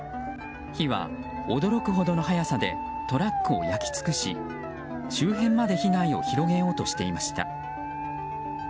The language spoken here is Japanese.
火は、驚くほどの早さでトラックを焼けつくし周辺まで被害を広げようとしていました。